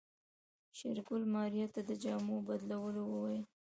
شېرګل ماريا ته د جامو بدلولو وويل.